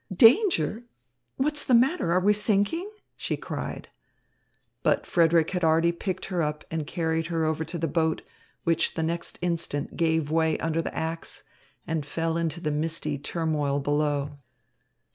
"Danger! What's the matter? Are we sinking?" she cried. But Frederick had already picked her up and carried her over to the boat, which the next instant gave way under the axe and fell into the misty turmoil below.